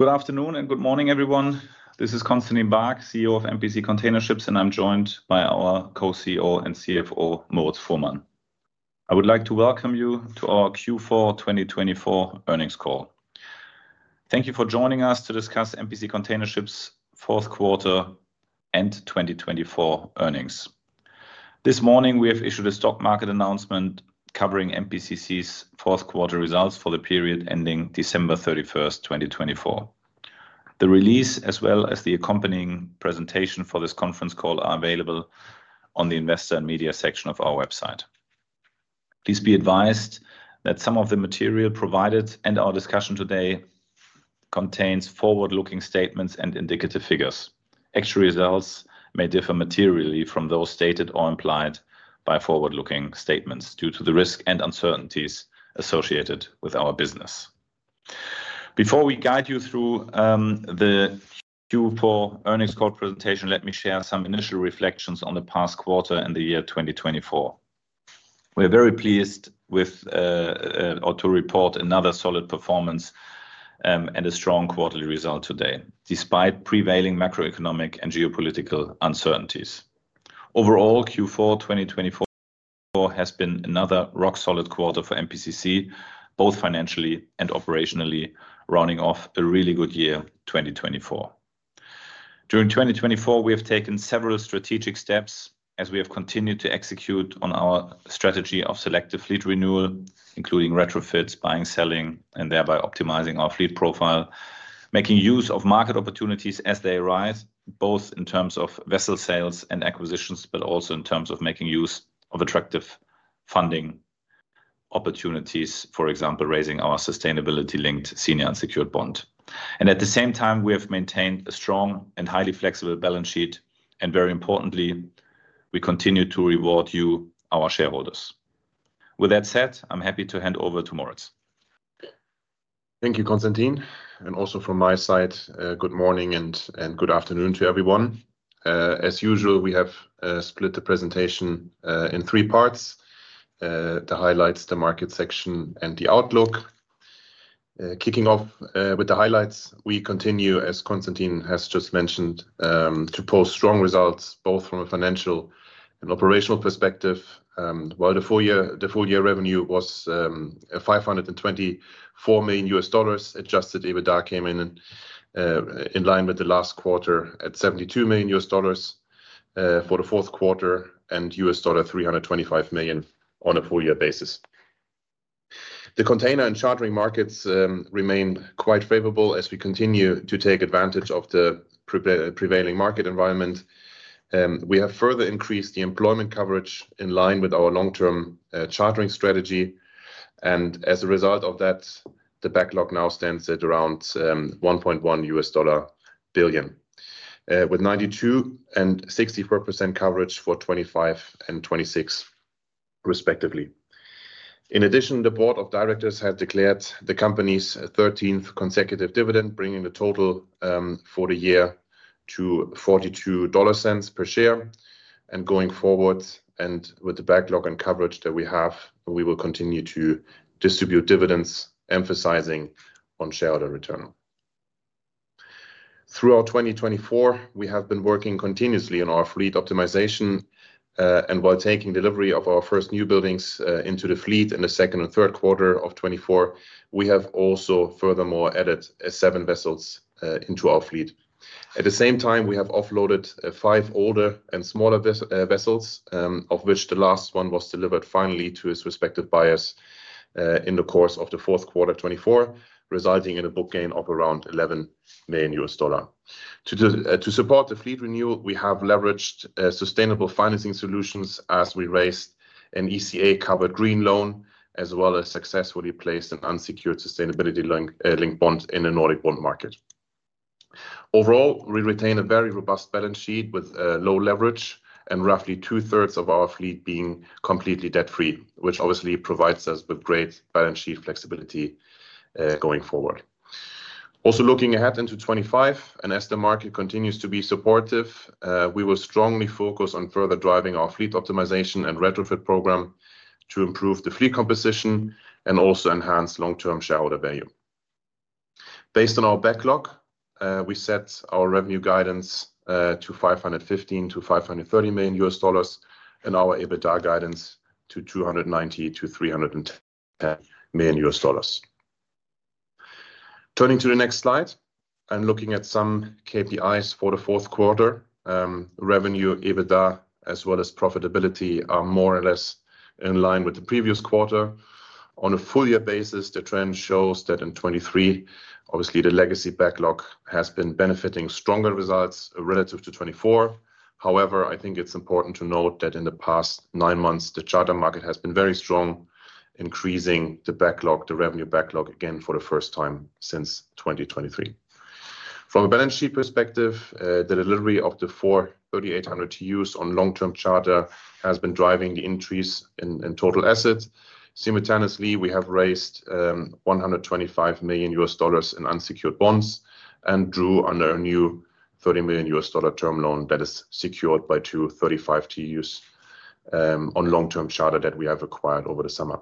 Good afternoon and good morning, everyone. This is Constantin Baack, CEO of MPC Container Ships, and I'm joined by our co-CEO and CFO, Moritz Fuhrmann. I would like to welcome you to our Q4 2024 earnings call. Thank you for joining us to discuss MPC Container Ships' Fourth Quarter and 2024 Earnings. This morning, we have issued a stock market announcement covering MPCC's fourth quarter results for the period ending December 31, 2024. The release, as well as the accompanying presentation for this conference call, are available on the Investor and Media section of our website. Please be advised that some of the material provided and our discussion today contains forward-looking statements and indicative figures. Actual results may differ materially from those stated or implied by forward-looking statements due to the risk and uncertainties associated with our business. Before we guide you through the Q4 Earnings Call Presentation, let me share some initial reflections on the past quarter and the year 2024. We're very pleased to report another solid performance and a strong quarterly result today, despite prevailing macroeconomic and geopolitical uncertainties. Overall, Q4 2024 has been another rock-solid quarter for MPCC, both financially and operationally, rounding off a really good year 2024. During 2024, we have taken several strategic steps as we have continued to execute on our strategy of selective fleet renewal, including retrofits, buying, selling, and thereby optimizing our fleet profile, making use of market opportunities as they arise, both in terms of vessel sales and acquisitions, but also in terms of making use of attractive funding opportunities, for example, raising our sustainability-linked senior unsecured bond. And at the same time, we have maintained a strong and highly flexible balance sheet, and very importantly, we continue to reward you, our shareholders. With that said, I'm happy to hand over to Moritz. Thank you, Constantin, and also from my side, good morning and good afternoon to everyone. As usual, we have split the presentation in three parts: the Highlights, the Market Section, and the Outlook. Kicking off with the highlights, we continue, as Constantin has just mentioned, to post strong results both from a financial and operational perspective. While the full year revenue was $524 million, Adjusted EBITDA came in in line with the last quarter at $72 million for the fourth quarter and $325 million on a full year basis. The container and chartering markets remain quite favorable as we continue to take advantage of the prevailing market environment. We have further increased the employment coverage in line with our long-term chartering strategy, and as a result of that, the backlog now stands at around $1.1 billion, with 92% and 64% coverage for 2025 and 2026, respectively. In addition, the board of directors has declared the company's 13th consecutive dividend, bringing the total for the year to $42 per share, and going forward, and with the backlog and coverage that we have, we will continue to distribute dividends, emphasizing on shareholder return. Throughout 2024, we have been working continuously on our fleet optimization, and while taking delivery of our first new buildings into the fleet in the second and third quarter of 2024, we have also furthermore added seven vessels into our fleet. At the same time, we have offloaded five older and smaller vessels, of which the last one was delivered finally to its respective buyers in the course of the fourth quarter 2024, resulting in a book gain of around $11 million. To support the fleet renewal, we have leveraged sustainable financing solutions as we raised an ECA-covered green loan, as well as successfully placed an unsecured sustainability-linked bond in the Nordic bond market. Overall, we retain a very robust balance sheet with low leverage and roughly two-thirds of our fleet being completely debt-free, which obviously provides us with great balance sheet flexibility going forward. Also looking ahead into 2025, and as the market continues to be supportive, we will strongly focus on further driving our fleet optimization and retrofit program to improve the fleet composition and also enhance long-term shareholder value. Based on our backlog, we set our revenue guidance to $515 million-$530 million and our EBITDA guidance to $290 million-$310 million. Turning to the next slide, I'm looking at some KPIs for the fourth quarter. Revenue, EBITDA, as well as profitability are more or less in line with the previous quarter. On a full year basis, the trend shows that in 2023, obviously, the legacy backlog has been benefiting stronger results relative to 2024. However, I think it's important to note that in the past nine months, the charter market has been very strong, increasing the revenue backlog again for the first time since 2023. From a balance sheet perspective, the delivery of the four 3,800 TEUs on long-term charter has been driving the increase in total assets. Simultaneously, we have raised $125 million in unsecured bonds and drew on our new $30 million term loan that is secured by two 3,500 TEUs on long-term charter that we have acquired over the summer.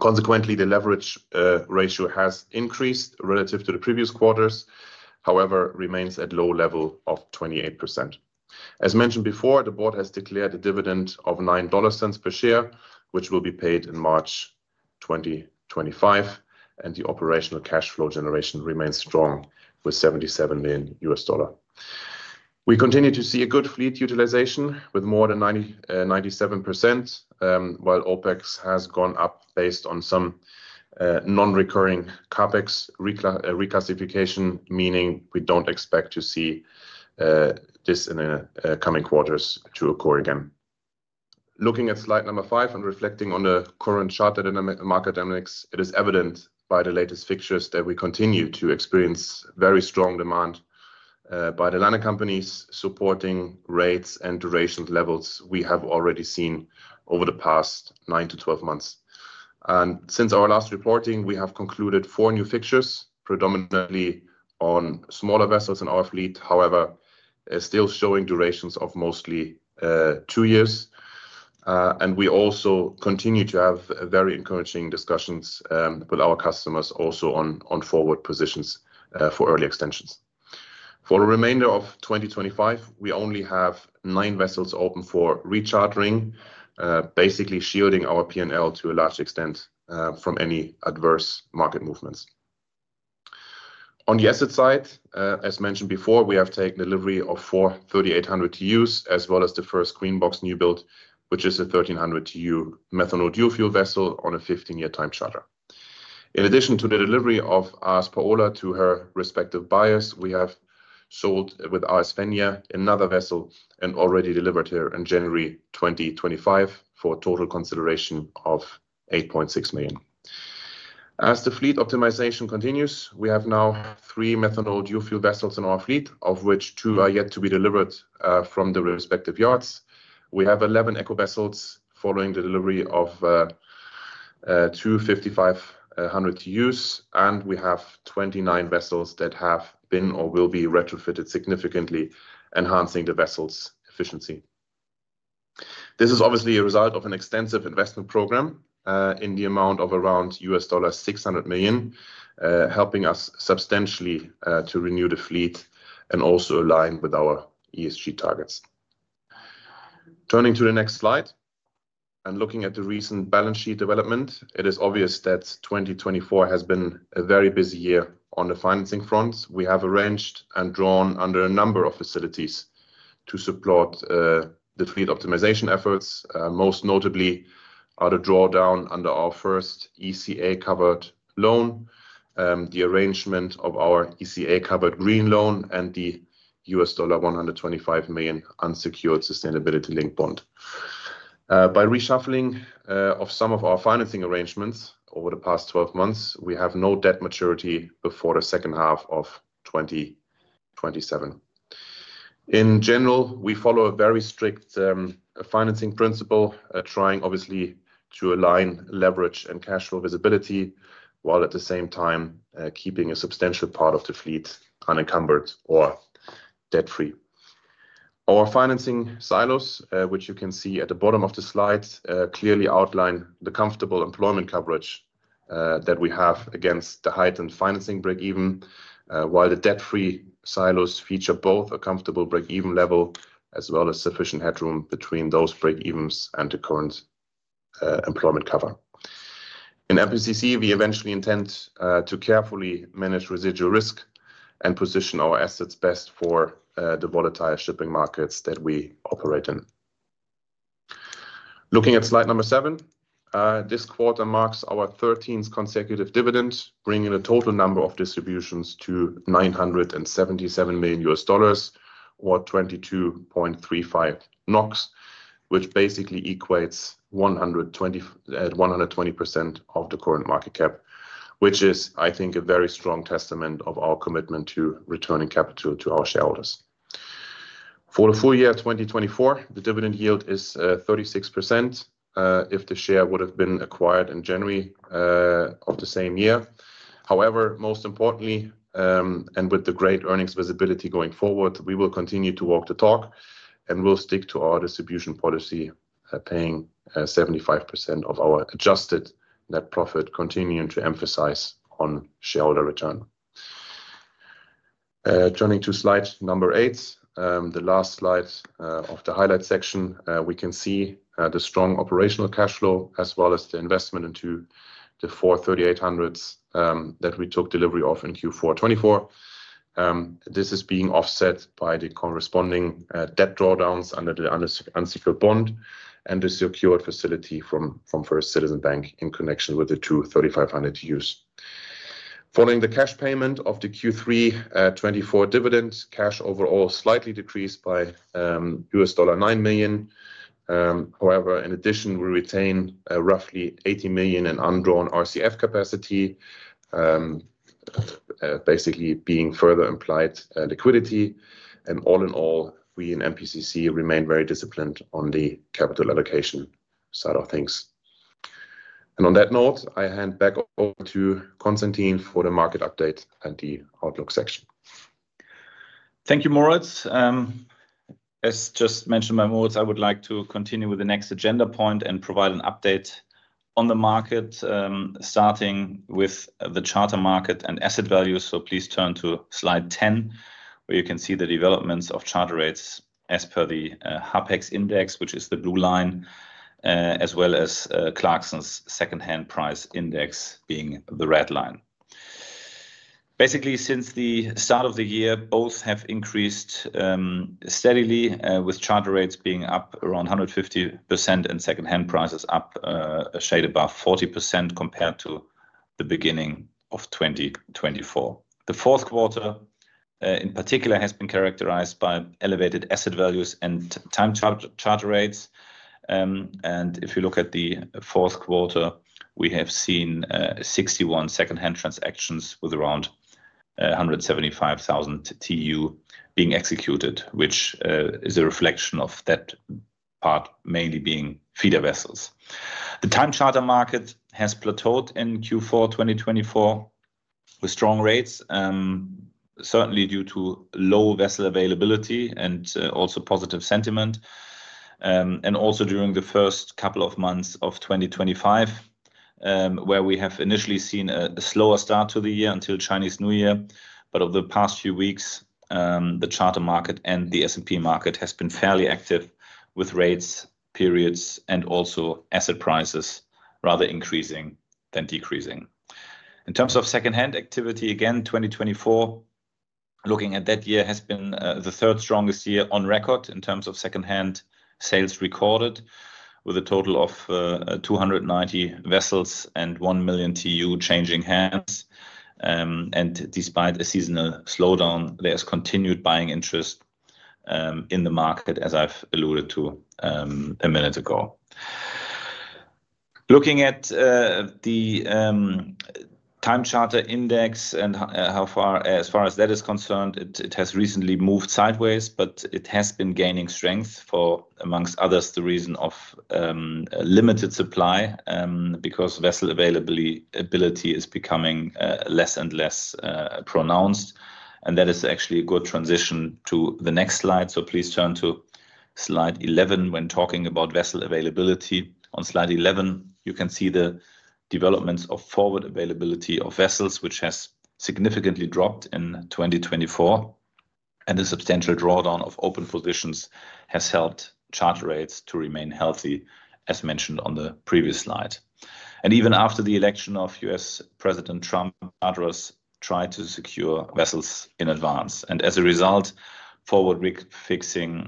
Consequently, the leverage ratio has increased relative to the previous quarters, however, remains at a low level of 28%. As mentioned before, the board has declared a dividend of $9 per share, which will be paid in March 2025, and the operational cash flow generation remains strong with $77 million. We continue to see a good fleet utilization with more than 97%, while OpEx has gone up based on some non-recurring CapEx reclassification, meaning we don't expect to see this in the coming quarters to occur again. Looking at slide number five and reflecting on the current charter dynamics and market dynamics, it is evident by the latest fixtures that we continue to experience very strong demand by the liner companies supporting rates and duration levels we have already seen over the past nine to 12 months. Since our last reporting, we have concluded four new fixtures, predominantly on smaller vessels in our fleet, however, still showing durations of mostly two years. We also continue to have very encouraging discussions with our customers also on forward positions for early extensions. For the remainder of 2025, we only have nine vessels open for rechartering, basically shielding our P&L to a large extent from any adverse market movements. On the asset side, as mentioned before, we have taken delivery of four 3,800 TEUs as well as the first green box newbuild, which is a 1,300 TEU methanol dual-fuel vessel on a 15-year time charter. In addition to the delivery of our Paola to her respective buyers, we have sold our Svenja, another vessel, and already delivered her in January 2025 for a total consideration of $8.6 million. As the fleet optimization continues, we have now three methanol dual fuel vessels in our fleet, of which two are yet to be delivered from the respective yards. We have 11 eco vessels following the delivery of two 5,500 TEU, and we have 29 vessels that have been or will be retrofitted significantly, enhancing the vessel's efficiency. This is obviously a result of an extensive investment program in the amount of around $600 million, helping us substantially to renew the fleet and also align with our ESG targets. Turning to the next slide and looking at the recent balance sheet development, it is obvious that 2024 has been a very busy year on the financing front. We have arranged and drawn under a number of facilities to support the fleet optimization efforts, most notably at a drawdown under our first ECA-covered loan, the arrangement of our ECA-covered green loan, and the $125 million unsecured sustainability-linked bond. By reshuffling of some of our financing arrangements over the past 12 months, we have no debt maturity before the second half of 2027. In general, we follow a very strict financing principle, trying obviously to align leverage and cash flow visibility while at the same time keeping a substantial part of the fleet unencumbered or debt-free. Our financing silos, which you can see at the bottom of the slide, clearly outline the comfortable employment coverage that we have against the heightened financing break-even, while the debt-free silos feature both a comfortable break-even level as well as sufficient headroom between those break-evens and the current employment cover. In MPCC, we eventually intend to carefully manage residual risk and position our assets best for the volatile shipping markets that we operate in. Looking at slide number seven, this quarter marks our 13th consecutive dividends, bringing a total number of distributions to $977 million or 22.35 NOK, which basically equates at 120% of the current market cap, which is, I think, a very strong testament of our commitment to returning capital to our shareholders. For the full year of 2024, the dividend yield is 36% if the share would have been acquired in January of the same year. However, most importantly, and with the great earnings visibility going forward, we will continue to walk the talk and will stick to our distribution policy, paying 75% of our adjusted net profit, continuing to emphasize on shareholder return. Turning to slide number eight, the last slide of the highlight section, we can see the strong operational cash flow as well as the investment into the four 3,800 TEU that we took delivery of in Q4 2024. This is being offset by the corresponding debt drawdowns under the unsecured bond and the secured facility from First Citizens Bank in connection with the two 3,500 TEUs. Following the cash payment of the Q3 '24 dividend, cash overall slightly decreased by $9 million. However, in addition, we retain roughly $80 million in undrawn RCF capacity, basically being further ample liquidity. And all in all, we in MPCC remain very disciplined on the capital allocation side of things. And on that note, I hand back over to Constantin for the market update and the outlook section. Thank you, Moritz. As just mentioned by Moritz, I would like to continue with the next agenda point and provide an update on the market, starting with the charter market and asset values. So please turn to slide 10, where you can see the developments of charter rates as per the HARPEX index, which is the blue line, as well as Clarksons' second-hand price index being the red line. Basically, since the start of the year, both have increased steadily, with charter rates being up around 150% and second-hand prices up a shade above 40% compared to the beginning of 2024. The fourth quarter, in particular, has been characterized by elevated asset values and time charter rates. And if you look at the fourth quarter, we have seen 61 second-hand transactions with around 175,000 TEU being executed, which is a reflection of that part mainly being feeder vessels. The time charter market has plateaued in Q4 2024 with strong rates, certainly due to low vessel availability and also positive sentiment, and also during the first couple of months of 2025, where we have initially seen a slower start to the year until Chinese New Year, but over the past few weeks, the charter market and the S&P market has been fairly active with rates periods and also asset prices rather increasing than decreasing. In terms of second-hand activity, again, 2024, looking at that year has been the third strongest year on record in terms of second-hand sales recorded, with a total of 290 vessels and 1 million TEU changing hands, and despite a seasonal slowdown, there is continued buying interest in the market, as I've alluded to a minute ago. Looking at the time charter index and as far as that is concerned, it has recently moved sideways, but it has been gaining strength for, among others, the reason of limited supply because vessel availability is becoming less and less pronounced. And that is actually a good transition to the next slide. So please turn to slide 11 when talking about vessel availability. On slide 11, you can see the developments of forward availability of vessels, which has significantly dropped in 2024. And the substantial drawdown of open positions has helped charter rates to remain healthy, as mentioned on the previous slide. And even after the election of US President Trump, charters tried to secure vessels in advance. And as a result, forward fixing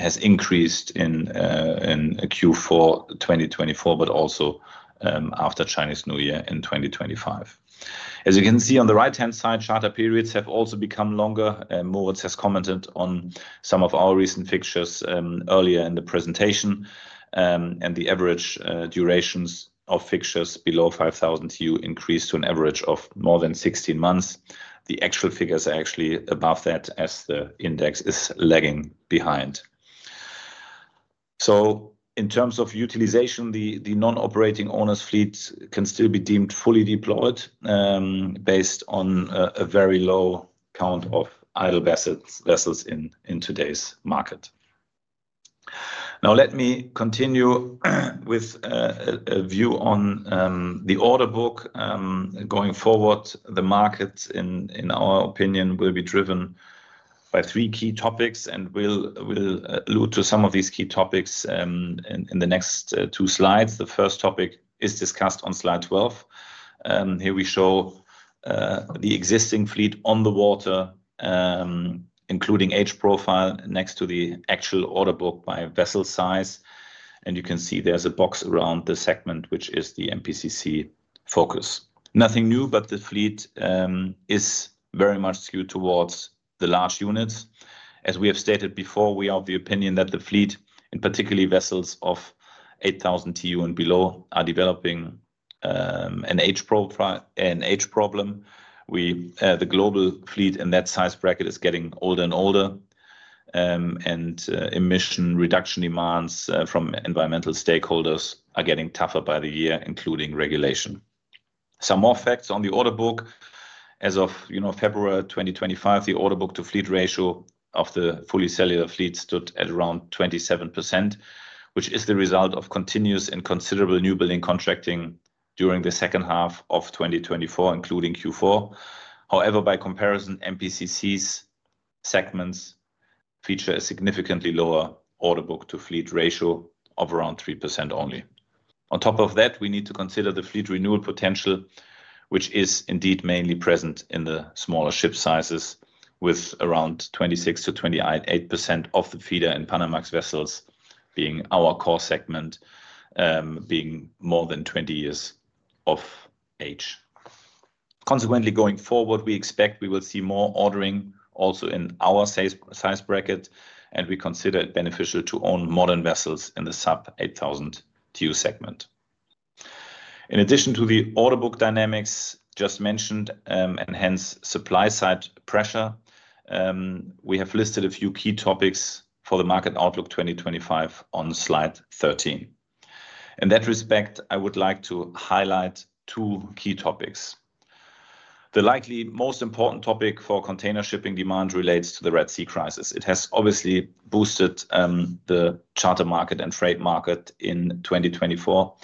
has increased in Q4 2024, but also after Chinese New Year in 2025. As you can see on the right-hand side, charter periods have also become longer. Moritz has commented on some of our recent fixtures earlier in the presentation, and the average durations of fixtures below 5,000 TEU increased to an average of more than 16 months. The actual figures are actually above that as the index is lagging behind, so in terms of utilization, the non-operating owners' fleet can still be deemed fully deployed based on a very low count of idle vessels in today's market. Now, let me continue with a view on the order book going forward. The market, in our opinion, will be driven by three key topics, and we'll allude to some of these key topics in the next two slides. The first topic is discussed on slide 12. Here we show the existing fleet on the water, including age profile next to the actual order book by vessel size, and you can see there's a box around the segment, which is the MPCC focus. Nothing new, but the fleet is very much skewed towards the large units. As we have stated before, we are of the opinion that the fleet, and particularly vessels of 8,000 TEU and below, are developing an age problem. The global fleet in that size bracket is getting older and older, and emission reduction demands from environmental stakeholders are getting tougher by the year, including regulation. Some more facts on the order book. As of February 2025, the order book to fleet ratio of the fully cellular fleet stood at around 27%, which is the result of continuous and considerable newbuilding contracting during the second half of 2024, including Q4. However, by comparison, MPCC's segments feature a significantly lower order book to fleet ratio of around 3% only. On top of that, we need to consider the fleet renewal potential, which is indeed mainly present in the smaller ship sizes, with around 26%-28% of the feeder and Panamax vessels being our core segment, being more than 20 years of age. Consequently, going forward, we expect we will see more ordering also in our size bracket, and we consider it beneficial to own modern vessels in the sub-8,000 TEU segment. In addition to the order book dynamics just mentioned and hence supply-side pressure, we have listed a few key topics for the market outlook 2025 on slide 13. In that respect, I would like to highlight two key topics. The likely most important topic for container shipping demand relates to the Red Sea crisis. It has obviously boosted the charter market and trade market in 2024,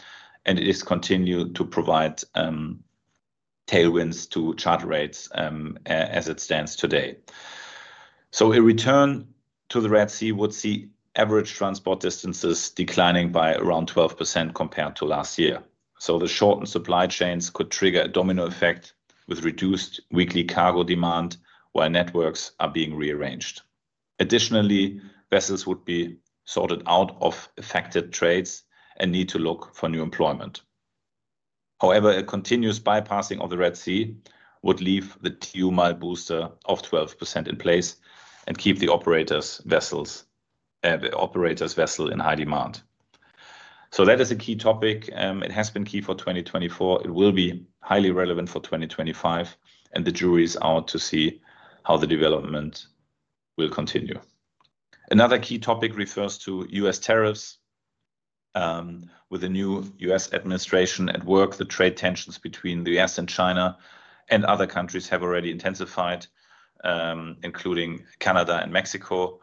and it has continued to provide tailwinds to charter rates as it stands today. So a return to the Red Sea would see average transport distances declining by around 12% compared to last year. So the shortened supply chains could trigger a domino effect with reduced weekly cargo demand while networks are being rearranged. Additionally, vessels would be sorted out of affected trades and need to look for new employment. However, a continuous bypassing of the Red Sea would leave the TEU-mile booster of 12% in place and keep the operator's vessels in high demand. So that is a key topic. It has been key for 2024. It will be highly relevant for 2025, and the jury is out to see how the development will continue. Another key topic refers to U.S. tariffs. With the new U.S. administration at work, the trade tensions between the U.S. and China and other countries have already intensified, including Canada and Mexico.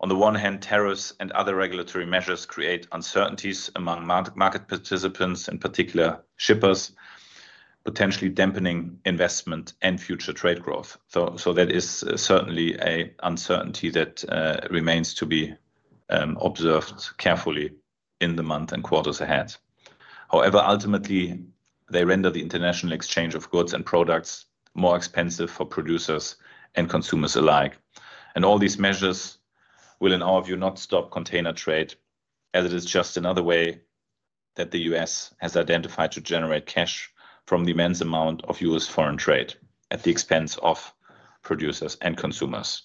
On the one hand, tariffs and other regulatory measures create uncertainties among market participants, in particular shippers, potentially dampening investment and future trade growth. So that is certainly an uncertainty that remains to be observed carefully in the month and quarters ahead. However, ultimately, they render the international exchange of goods and products more expensive for producers and consumers alike. And all these measures will, in our view, not stop container trade, as it is just another way that the U.S. has identified to generate cash from the immense amount of U.S. foreign trade at the expense of producers and consumers.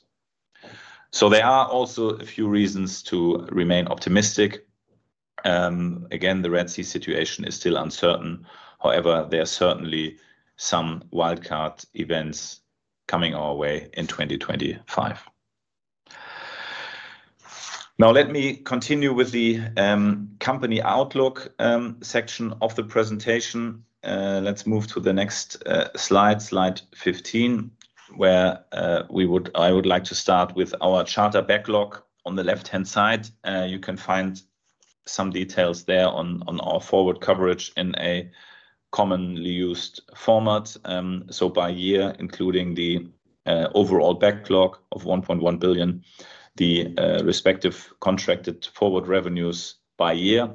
So there are also a few reasons to remain optimistic. Again, the Red Sea situation is still uncertain. However, there are certainly some wildcard events coming our way in 2025. Now, let me continue with the company outlook section of the presentation. Let's move to the next slide, slide 15, where I would like to start with our charter backlog. On the left-hand side, you can find some details there on our forward coverage in a commonly used format. So by year, including the overall backlog of $1.1 billion, the respective contracted forward revenues by year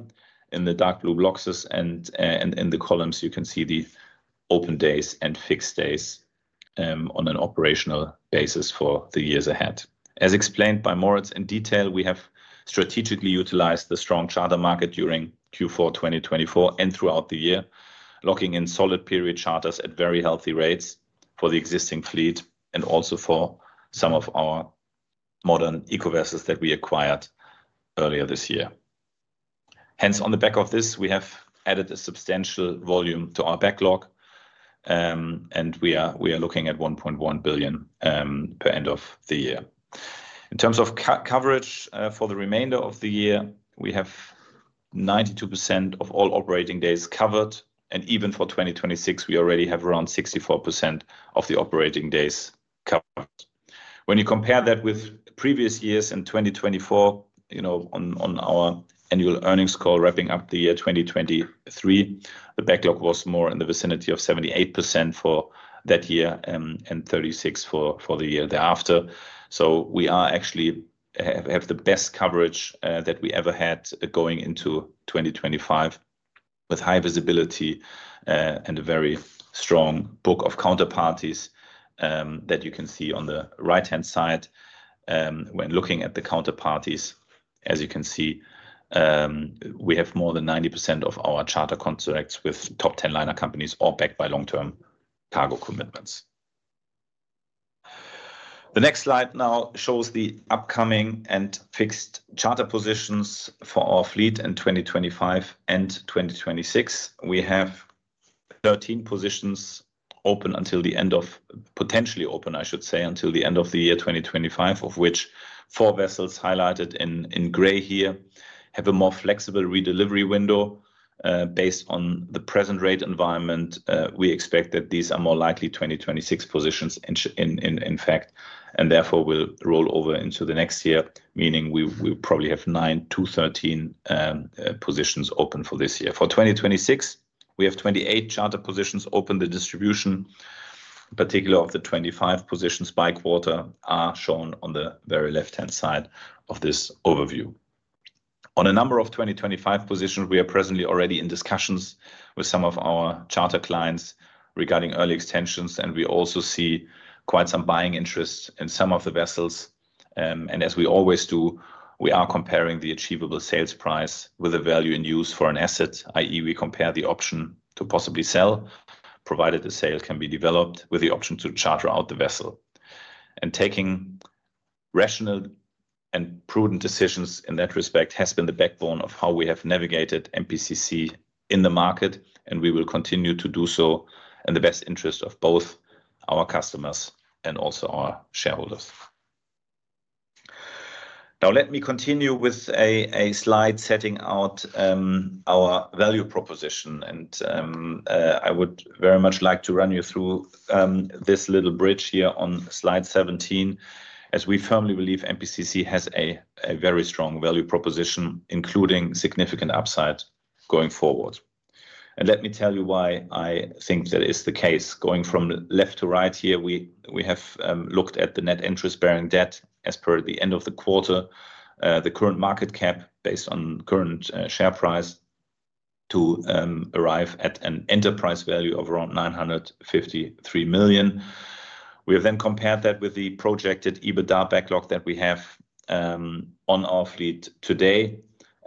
in the dark blue boxes, and in the columns, you can see the open days and fixed days on an operational basis for the years ahead. As explained by Moritz in detail, we have strategically utilized the strong charter market during Q4 2024 and throughout the year, locking in solid period charters at very healthy rates for the existing fleet and also for some of our modern eco vessels that we acquired earlier this year. Hence, on the back of this, we have added a substantial volume to our backlog, and we are looking at $1.1 billion at the end of the year. In terms of coverage for the remainder of the year, we have 92% of all operating days covered, and even for 2026, we already have around 64% of the operating days covered. When you compare that with previous years in 2024, on our annual earnings call wrapping up the year 2023, the backlog was more in the vicinity of 78% for that year and 36% for the year thereafter. We actually have the best coverage that we ever had going into 2025 with high visibility and a very strong book of counterparties that you can see on the right-hand side. When looking at the counterparties, as you can see, we have more than 90% of our charter contracts with top 10 liner companies or backed by long-term cargo commitments. The next slide now shows the upcoming and fixed charter positions for our fleet in 2025 and 2026. We have 13 positions open until the end of potentially open, I should say, until the end of the year 2025, of which four vessels highlighted in gray here have a more flexible redelivery window based on the present rate environment. We expect that these are more likely 2026 positions, in fact, and therefore will roll over into the next year, meaning we probably have 9-13 positions open for this year. For 2026, we have 28 charter positions open. The distribution, particularly of the 25 positions by quarter, are shown on the very left-hand side of this overview. On a number of 2025 positions, we are presently already in discussions with some of our charter clients regarding early extensions, and we also see quite some buying interest in some of the vessels, and as we always do, we are comparing the achievable sales price with the value in use for an asset, i.e., we compare the option to possibly sell, provided the sale can be developed with the option to charter out the vessel, and taking rational and prudent decisions in that respect has been the backbone of how we have navigated MPCC in the market, and we will continue to do so in the best interest of both our customers and also our shareholders. Now, let me continue with a slide setting out our value proposition. And I would very much like to run you through this little bridge here on slide 17, as we firmly believe MPCC has a very strong value proposition, including significant upside going forward. And let me tell you why I think that is the case. Going from left to right here, we have looked at the net interest-bearing debt as per the end of the quarter, the current market cap based on current share price to arrive at an enterprise value of around $953 million. We have then compared that with the projected EBITDA backlog that we have on our fleet today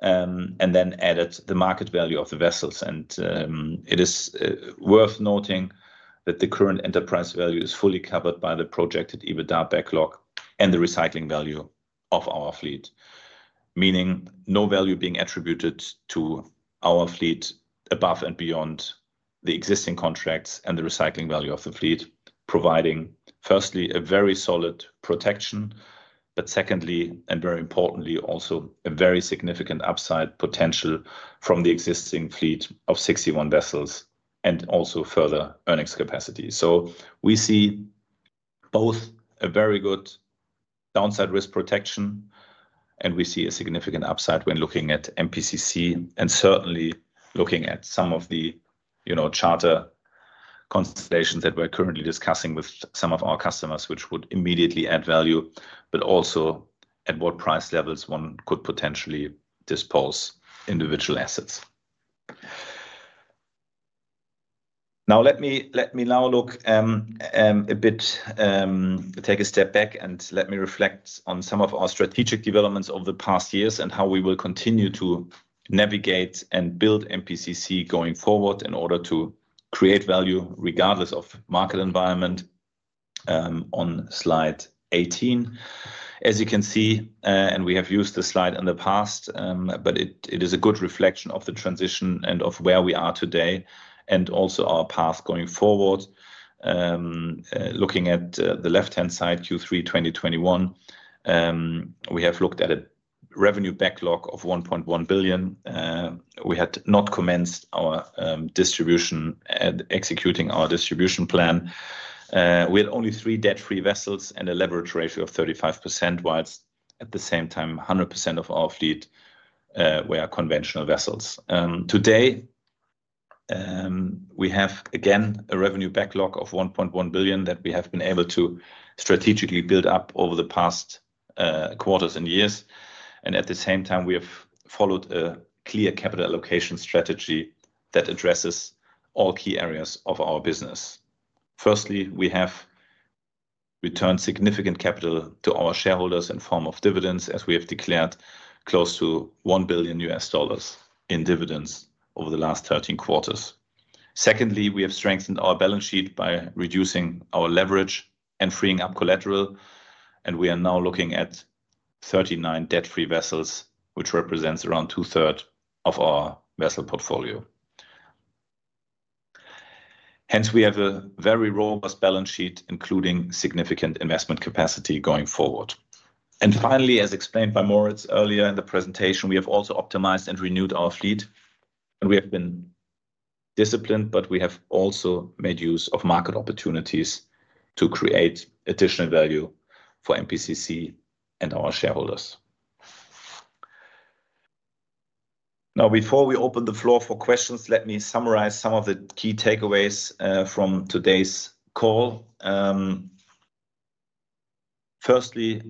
and then added the market value of the vessels. And it is worth noting that the current enterprise value is fully covered by the projected EBITDA backlog and the recycling value of our fleet, meaning no value being attributed to our fleet above and beyond the existing contracts and the recycling value of the fleet, providing, firstly, a very solid protection, but secondly, and very importantly, also a very significant upside potential from the existing fleet of 61 vessels and also further earnings capacity. So we see both a very good downside risk protection, and we see a significant upside when looking at MPCC and certainly looking at some of the charter constellations that we're currently discussing with some of our customers, which would immediately add value, but also at what price levels one could potentially dispose individual assets. Now, let me now look a bit, take a step back, and let me reflect on some of our strategic developments over the past years and how we will continue to navigate and build MPCC going forward in order to create value regardless of market environment on slide 18. As you can see, and we have used the slide in the past, but it is a good reflection of the transition and of where we are today and also our path going forward. Looking at the left-hand side, Q3 2021, we have looked at a revenue backlog of $1.1 billion. We had not commenced our distribution and executing our distribution plan. We had only three debt-free vessels and a leverage ratio of 35%, while at the same time, 100% of our fleet were conventional vessels. Today, we have, again, a revenue backlog of $1.1 billion that we have been able to strategically build up over the past quarters and years, and at the same time, we have followed a clear capital allocation strategy that addresses all key areas of our business. Firstly, we have returned significant capital to our shareholders in the form of dividends, as we have declared close to $1 billion in dividends over the last 13 quarters. Secondly, we have strengthened our balance sheet by reducing our leverage and freeing up collateral, and we are now looking at 39 debt-free vessels, which represents around two-thirds of our vessel portfolio. Hence, we have a very robust balance sheet, including significant investment capacity going forward, and finally, as explained by Moritz earlier in the presentation, we have also optimized and renewed our fleet. We have been disciplined, but we have also made use of market opportunities to create additional value for MPCC and our shareholders. Now, before we open the floor for questions, let me summarize some of the key takeaways from today's call. Firstly,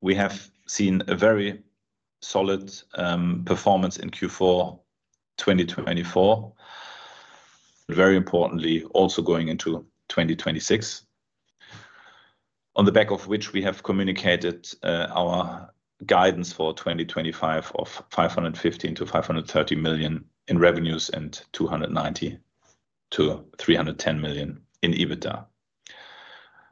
we have seen a very solid performance in Q4 2024, very importantly also going into 2026, on the back of which we have communicated our guidance for 2025 of $515 million-$530 million in revenues and $290 million-$310 million in EBITDA.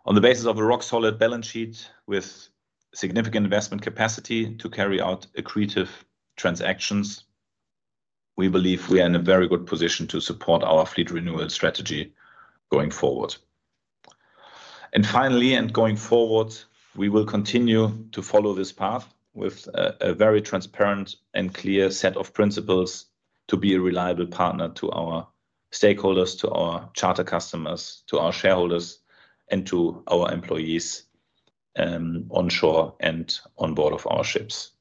On the basis of a rock-solid balance sheet with significant investment capacity to carry out accretive transactions, we believe we are in a very good position to support our fleet renewal strategy going forward. And finally, and going forward, we will continue to follow this path with a very transparent and clear set of principles to be a reliable partner to our stakeholders, to our charter customers, to our shareholders, and to our employees onshore and onboard of our ships.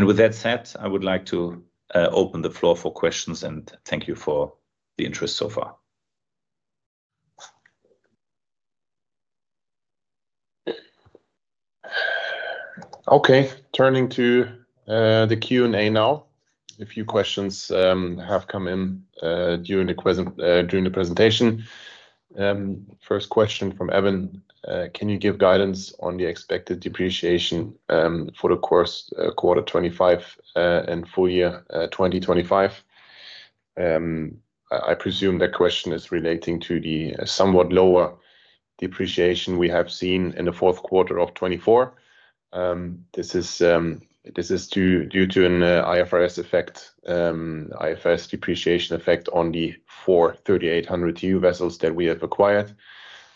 With that said, I would like to open the floor for questions and thank you for the interest so far. Okay, turning to the Q&A now. A few questions have come in during the presentation. First question from Evan. Can you give guidance on the expected depreciation for the first quarter 25 and full year 2025? I presume that question is relating to the somewhat lower depreciation we have seen in the fourth quarter of 2024. This is due to an IFRS effect, IFRS depreciation effect on the four 3,800 TEU vessels that we have acquired.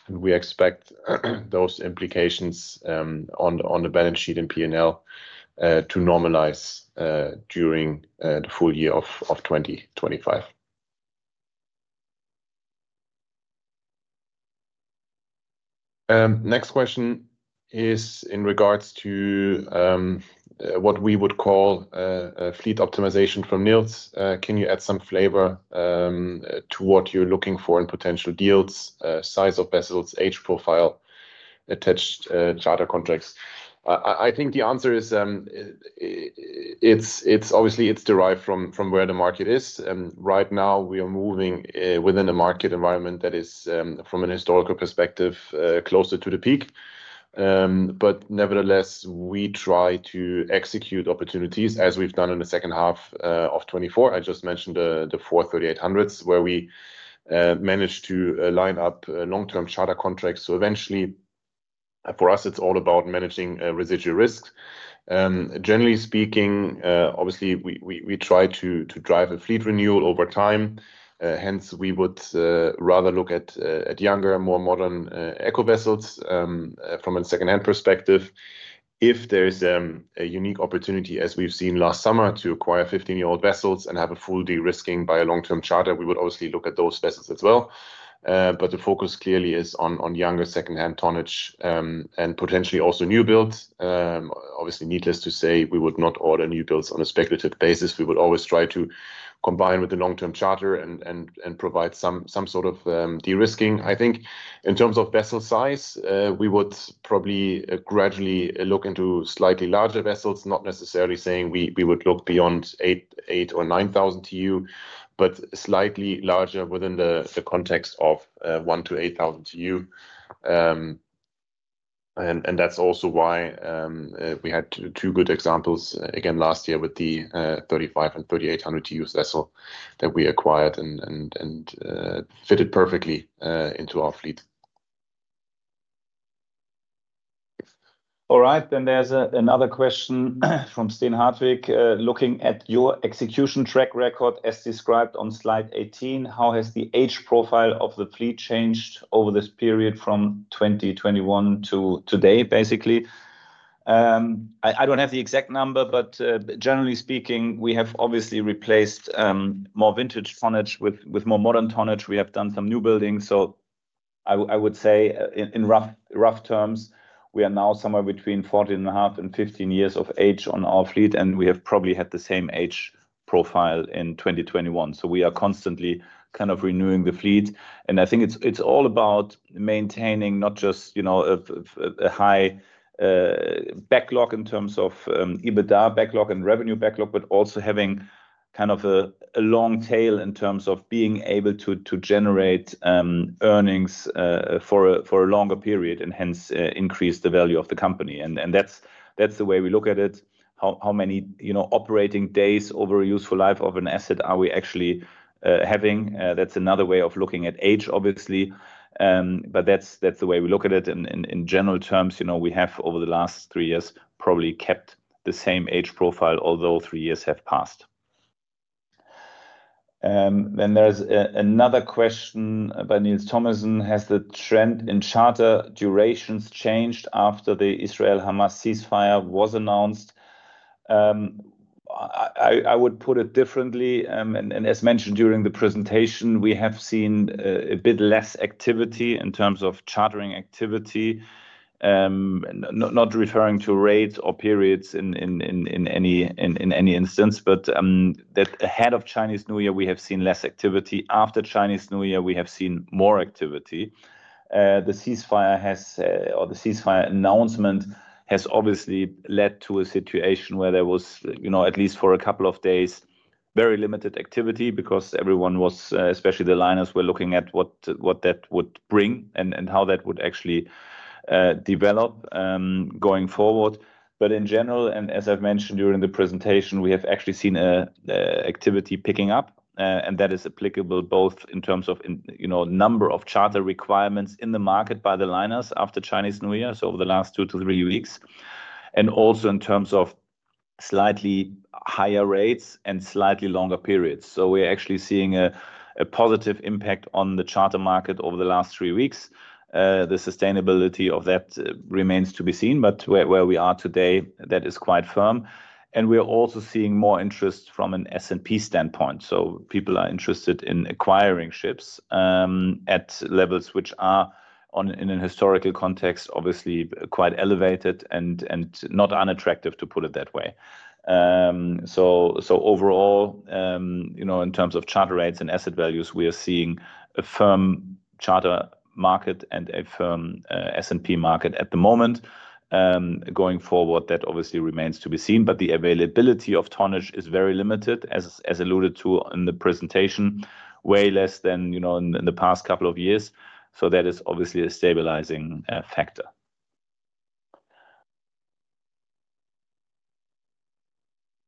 And we expect those implications on the balance sheet and P&L to normalize during the full year of 2025. Next question is in regards to what we would call fleet optimization from Niels. Can you add some flavor to what you're looking for in potential deals, size of vessels, age profile, attached charter contracts? I think the answer is obviously it's derived from where the market is. Right now, we are moving within a market environment that is, from a historical perspective, closer to the peak. But nevertheless, we try to execute opportunities as we've done in the second half of 2024. I just mentioned the four 3800s where we managed to line up long-term charter contracts. So eventually, for us, it's all about managing residual risk. Generally speaking, obviously, we try to drive a fleet renewal over time. Hence, we would rather look at younger, more modern eco vessels from a second-hand perspective. If there is a unique opportunity, as we've seen last summer, to acquire 15-year-old vessels and have a full de-risking by a long-term charter, we would obviously look at those vessels as well. But the focus clearly is on younger second-hand tonnage and potentially also newbuilds. Obviously, needless to say, we would not order newbuilds on a speculative basis. We would always try to combine with the long-term charter and provide some sort of de-risking. I think in terms of vessel size, we would probably gradually look into slightly larger vessels, not necessarily saying we would look beyond 8,000 or 9,000 TEU, but slightly larger within the context of 1 to 8,000 TEU. And that's also why we had two good examples again last year with the 35 and 3800 TEU vessel that we acquired and fitted perfectly into our fleet. All right, then there's another question from Steen Hartwig. Looking at your execution track record as described on slide 18, how has the age profile of the fleet changed over this period from 2021 to today, basically? I don't have the exact number, but generally speaking, we have obviously replaced more vintage tonnage with more modern tonnage. We have done some newbuilding. So I would say in rough terms, we are now somewhere between 14 and a half and 15 years of age on our fleet, and we have probably had the same age profile in 2021. So we are constantly kind of renewing the fleet. I think it's all about maintaining not just a high backlog in terms of EBITDA backlog and revenue backlog, but also having kind of a long tail in terms of being able to generate earnings for a longer period and hence increase the value of the company. That's the way we look at it. How many operating days over a useful life of an asset are we actually having? That's another way of looking at age, obviously. That's the way we look at it. In general terms, we have over the last three years probably kept the same age profile, although three years have passed. There's another question by Niels Thomassen. Has the trend in charter durations changed after the Israel-Hamas ceasefire was announced? I would put it differently. As mentioned during the presentation, we have seen a bit less activity in terms of chartering activity, not referring to rates or periods in any instance, but that ahead of Chinese New Year, we have seen less activity. After Chinese New Year, we have seen more activity. The ceasefire announcement has obviously led to a situation where there was, at least for a couple of days, very limited activity because everyone was, especially the liners, were looking at what that would bring and how that would actually develop going forward. But in general, and as I've mentioned during the presentation, we have actually seen activity picking up, and that is applicable both in terms of number of charter requirements in the market by the liners after Chinese New Year over the last two to three weeks, and also in terms of slightly higher rates and slightly longer periods. So we're actually seeing a positive impact on the charter market over the last three weeks. The sustainability of that remains to be seen, but where we are today, that is quite firm. And we're also seeing more interest from an S&P standpoint. So people are interested in acquiring ships at levels which are, in a historical context, obviously quite elevated and not unattractive to put it that way. So overall, in terms of charter rates and asset values, we are seeing a firm charter market and a firm S&P market at the moment. Going forward, that obviously remains to be seen, but the availability of tonnage is very limited, as alluded to in the presentation, way less than in the past couple of years. So that is obviously a stabilizing factor.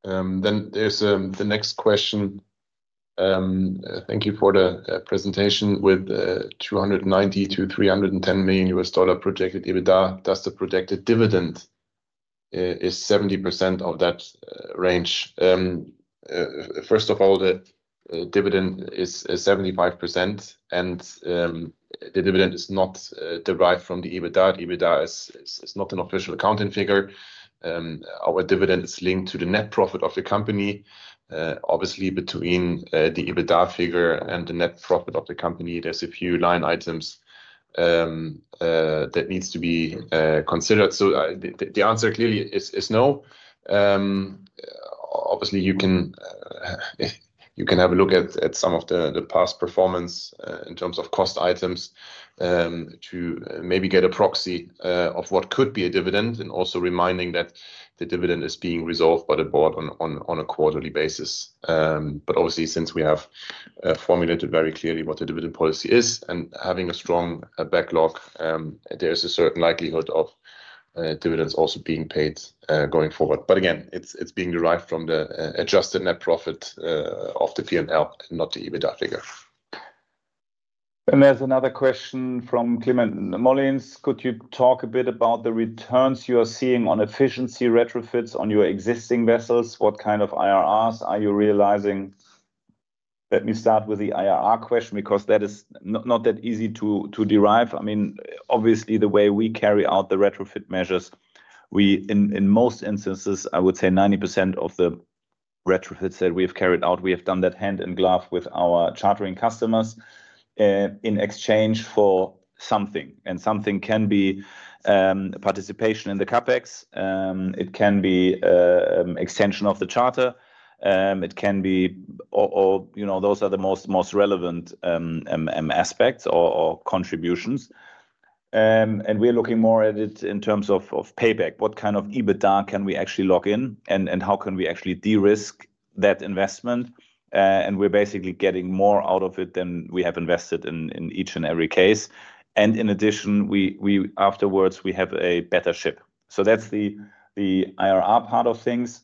Then there's the next question. Thank you for the presentation. With $290 million-$310 million projected EBITDA, does the projected dividend is 70% of that range? First of all, the dividend is 75%, and the dividend is not derived from the EBITDA. EBITDA is not an official accounting figure. Our dividend is linked to the net profit of the company. Obviously, between the EBITDA figure and the net profit of the company, there's a few line items that need to be considered. So the answer clearly is no. Obviously, you can have a look at some of the past performance in terms of cost items to maybe get a proxy of what could be a dividend and also reminding that the dividend is being resolved by the board on a quarterly basis. But obviously, since we have formulated very clearly what the dividend policy is and having a strong backlog, there is a certain likelihood of dividends also being paid going forward. But again, it's being derived from the adjusted net profit of the P&L and not the EBITDA figure. And there's another question from Climent Molins. Could you talk a bit about the returns you are seeing on efficiency retrofits on your existing vessels? What kind of IRRs are you realizing? Let me start with the IRR question because that is not that easy to derive. I mean, obviously, the way we carry out the retrofit measures, in most instances, I would say 90% of the retrofits that we have carried out, we have done that hand in glove with our chartering customers in exchange for something. And something can be participation in the CapEx. It can be an extension of the charter. It can be. Those are the most relevant aspects or contributions. And we're looking more at it in terms of payback. What kind of EBITDA can we actually lock in, and how can we actually de-risk that investment? And we're basically getting more out of it than we have invested in each and every case. And in addition, afterwards, we have a better ship. So that's the IRR part of things.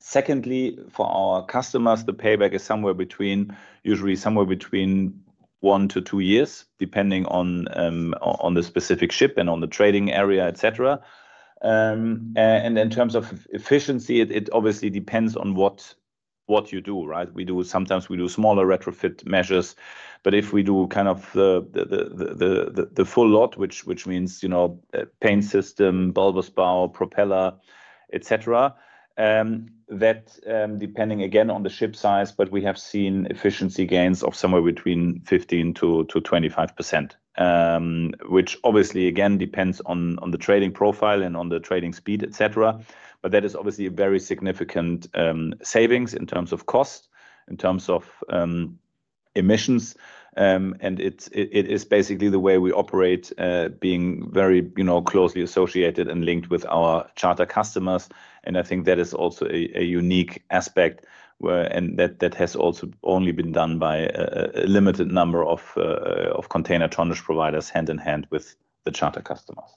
Secondly, for our customers, the payback is somewhere between, usually somewhere between one to two years, depending on the specific ship and on the trading area, etc. And in terms of efficiency, it obviously depends on what you do, right? Sometimes we do smaller retrofit measures, but if we do kind of the full lot, which means paint system, bulbous bow, propeller, etc., that depending again on the ship size, but we have seen efficiency gains of somewhere between 15%-25%, which obviously, again, depends on the trading profile and on the trading speed, etc., but that is obviously a very significant savings in terms of cost, in terms of emissions, and it is basically the way we operate, being very closely associated and linked with our charter customers, and I think that is also a unique aspect, and that has also only been done by a limited number of container tonnage providers hand in hand with the charter customers,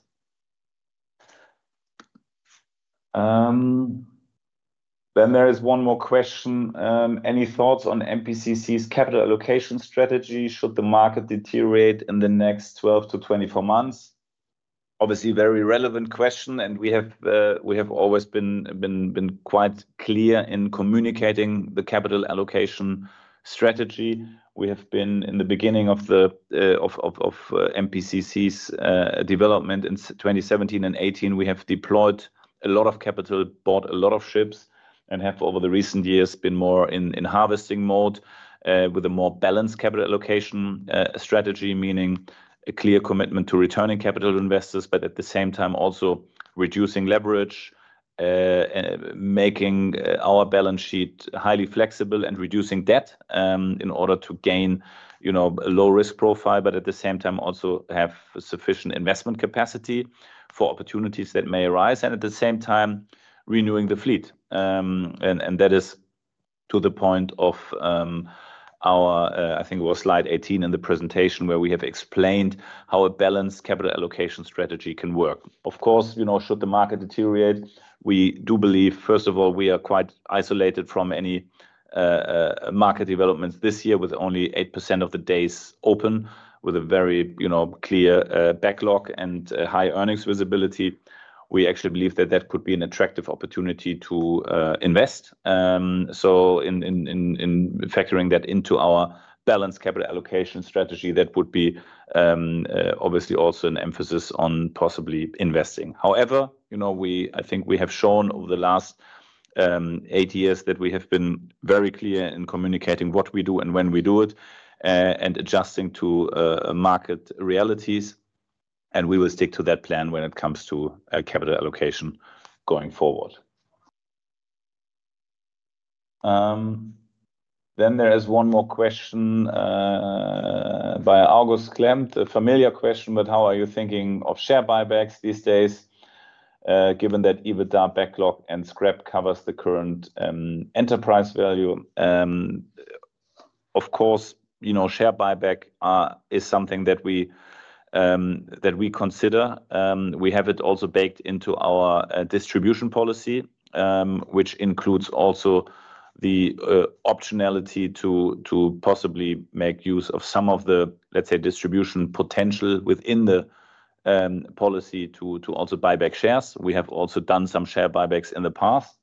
then there is one more question. Any thoughts on MPCC's capital allocation strategy should the market deteriorate in the next 12-24 months? Obviously, very relevant question, and we have always been quite clear in communicating the capital allocation strategy. We have been in the beginning of MPCC's development in 2017 and 2018, we have deployed a lot of capital, bought a lot of ships, and have over the recent years been more in harvesting mode with a more balanced capital allocation strategy, meaning a clear commitment to returning capital investors, but at the same time also reducing leverage, making our balance sheet highly flexible and reducing debt in order to gain a low-risk profile, but at the same time also have sufficient investment capacity for opportunities that may arise. And at the same time, renewing the fleet. And that is to the point of our, I think it was slide 18 in the presentation where we have explained how a balanced capital allocation strategy can work. Of course, should the market deteriorate, we do believe, first of all, we are quite isolated from any market developments this year with only 8% of the days open, with a very clear backlog and high earnings visibility. We actually believe that that could be an attractive opportunity to invest. So in factoring that into our balanced capital allocation strategy, that would be obviously also an emphasis on possibly investing. However, I think we have shown over the last eight years that we have been very clear in communicating what we do and when we do it and adjusting to market realities, and we will stick to that plan when it comes to capital allocation going forward, then there is one more question by August Klemp, a familiar question, but how are you thinking of share buybacks these days given that EBITDA backlog and scrap covers the current enterprise value? Of course, share buyback is something that we consider. We have it also baked into our distribution policy, which includes also the optionality to possibly make use of some of the, let's say, distribution potential within the policy to also buy back shares. We have also done some share buybacks in the past.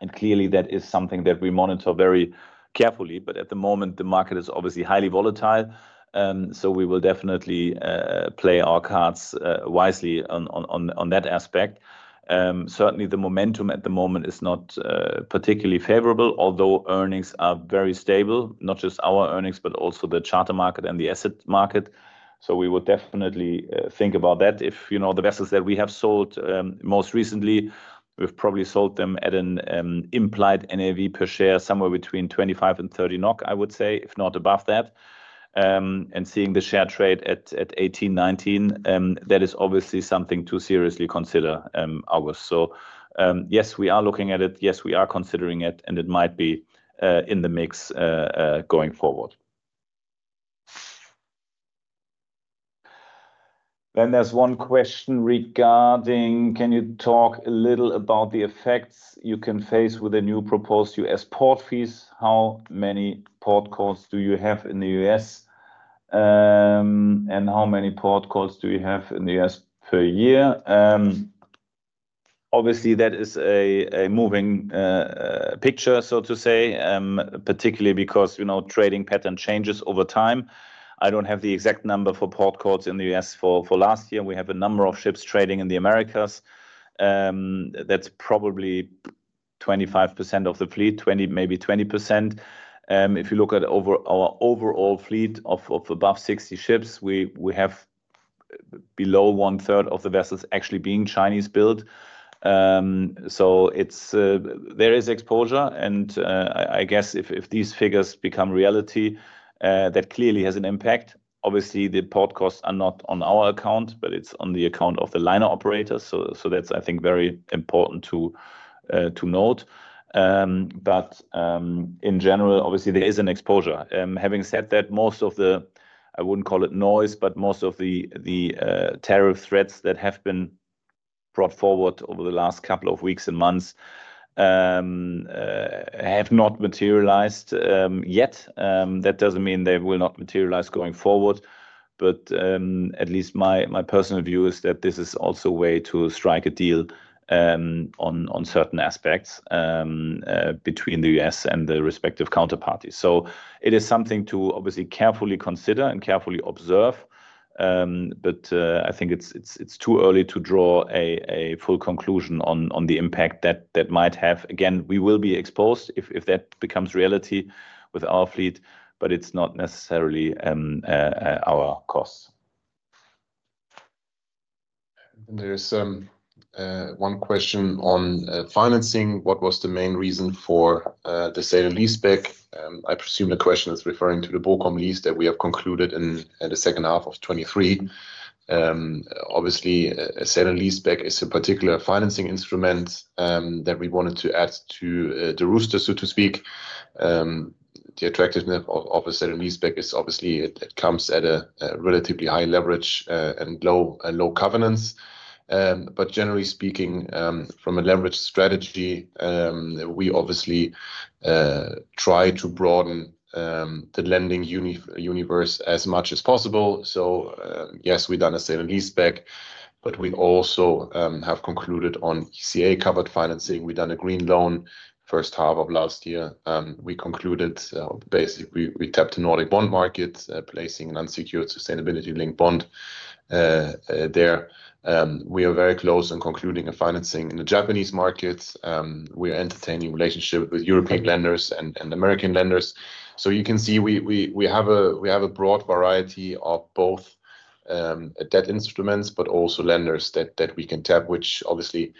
And clearly, that is something that we monitor very carefully. But at the moment, the market is obviously highly volatile, so we will definitely play our cards wisely on that aspect. Certainly, the momentum at the moment is not particularly favorable, although earnings are very stable, not just our earnings, but also the charter market and the asset market. So we would definitely think about that. The vessels that we have sold most recently, we've probably sold them at an implied NAV per share, somewhere between 25 and 30 NOK, I would say, if not above that. Seeing the share trade at 18, 19, that is obviously something to seriously consider, August. So yes, we are looking at it. Yes, we are considering it, and it might be in the mix going forward. Then there's one question regarding, can you talk a little about the effects you can face with the new proposed U.S. port fees? How many port calls do you have in the U.S.? And how many port calls do you have in the U.S. per year? Obviously, that is a moving picture, so to say, particularly because trading pattern changes over time. I don't have the exact number for port calls in the U.S. for last year. We have a number of ships trading in the Americas. That's probably 25% of the fleet, maybe 20%. If you look at our overall fleet of above 60 ships, we have below one-third of the vessels actually being Chinese-built. So there is exposure. And I guess if these figures become reality, that clearly has an impact. Obviously, the port costs are not on our account, but it's on the account of the liner operators. So that's, I think, very important to note. But in general, obviously, there is an exposure. Having said that, most of the, I wouldn't call it noise, but most of the tariff threats that have been brought forward over the last couple of weeks and months have not materialized yet. That doesn't mean they will not materialize going forward. But at least my personal view is that this is also a way to strike a deal on certain aspects between the U.S. and the respective counterparties. So it is something to obviously carefully consider and carefully observe. But I think it's too early to draw a full conclusion on the impact that might have. Again, we will be exposed if that becomes reality with our fleet, but it's not necessarily our costs. There's one question on financing. What was the main reason for the sale and lease back? I presume the question is referring to the Bochum lease that we have concluded in the second half of 2023. Obviously, a sale and lease back is a particular financing instrument that we wanted to add to the roster, so to speak. The attractiveness of a sale and lease back is obviously it comes at a relatively high leverage and low covenants. But generally speaking, from a leverage strategy, we obviously try to broaden the lending universe as much as possible. So yes, we've done a sale and leaseback, but we also have concluded on ECA-covered financing. We've done a green loan first half of last year. We concluded, basically, we tapped the Nordic bond market, placing an unsecured sustainability-linked bond there. We are very close in concluding a financing in the Japanese market. We are entertaining a relationship with European lenders and American lenders. So you can see we have a broad variety of both debt instruments, but also lenders that we can tap, which obviously,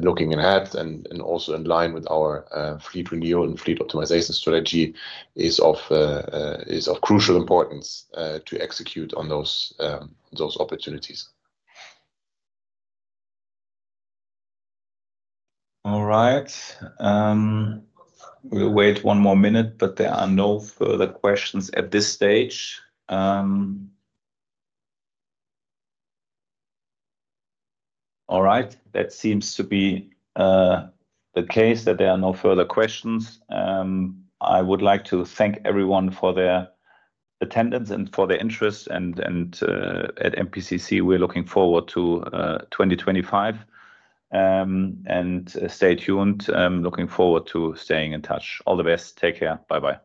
looking ahead and also in line with our fleet renewal and fleet optimization strategy is of crucial importance to execute on those opportunities. All right. We'll wait one more minute, but there are no further questions at this stage. All right. That seems to be the case that there are no further questions. I would like to thank everyone for their attendance and for their interest. And at MPCC, we're looking forward to 2025. And stay tuned. I'm looking forward to staying in touch. All the best. Take care. Bye-bye.